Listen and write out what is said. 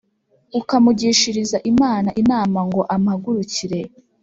ukamugishiriza Imana inama ngo ampagurukire